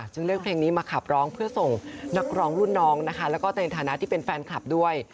จึงเลือกเพลงนี้มาขับร้องเพื่อส่งนักร้องรุ่นน้องนะคะแล้วก็ในฐานะที่เป็นแฟนคลับด้วย